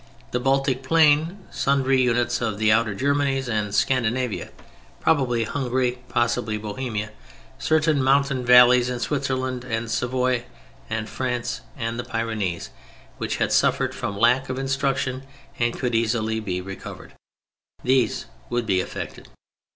The Baltic Plain, sundry units of the outer Germanies and Scandinavia, probably Hungary, possibly Bohemia, certain mountain valleys in Switzerland and Savoy and France and the Pyrenees, which had suffered from lack of instruction and could easily be recovered—these would be affected.